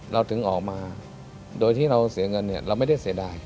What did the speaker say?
เราถึงออกมาโดยที่เราเสียเงินเนี่ยเราไม่ได้เสียดาย